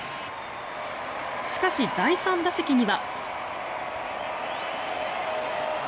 しかし第３打席には。